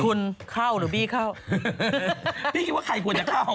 คุณเข้าหรือบี้เข้าพี่คิดว่าใครควรจะเข้า